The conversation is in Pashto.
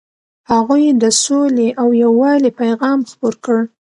هغوی د سولې او یووالي پیغام خپور کړ.